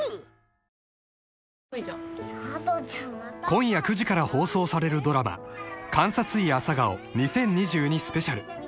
［今夜９時から放送されるドラマ『監察医朝顔２０２２スペシャル』］